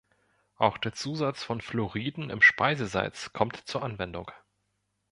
Auch der Zusatz von Fluoriden im Speisesalz kommt zur Anwendung.